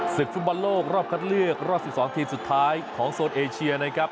ฟุตบอลโลกรอบคัดเลือกรอบ๑๒ทีมสุดท้ายของโซนเอเชียนะครับ